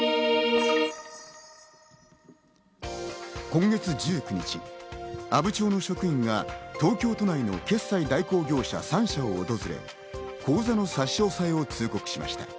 今月１９日、阿武町の職員が東京都内の決済代行業者３社を訪れ、口座の差し押さえを通告しました。